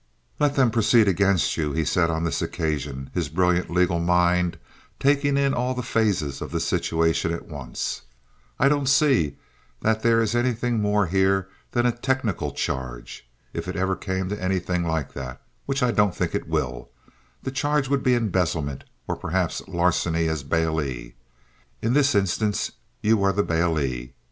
"Let them proceed against you," he said on this occasion, his brilliant legal mind taking in all the phases of the situation at once. "I don't see that there is anything more here than a technical charge. If it ever came to anything like that, which I don't think it will, the charge would be embezzlement or perhaps larceny as bailee. In this instance, you were the bailee.